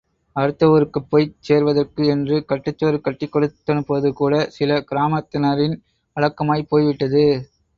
அடுத்த ஊருக்குப் போய்ச் சேர்வதற்கு என்று கட்டுச் சோறு கட்டிக் கொடுத்தனுப்புவது கூட, சில கிராமத்தினரின் வழக்கமாய்ப் போய்விட்டது.